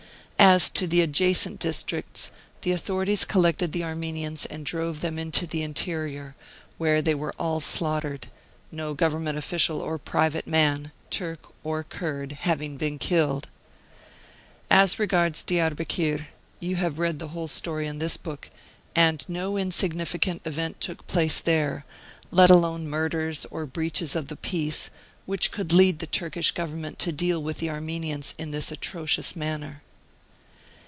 As to the ad jacent districts, the authorities collected the Armenians and drove them into the interior, where they were all slaughtered, no Government official or private man, Turk or Kurd, having been killed. As regards Diarbekir, you have read the whole story in this book, and no insignificant event took place there, let alone murders or breaches of the peace, which could lead the Turkish Government to deal with the Armenians in this atrocious manner.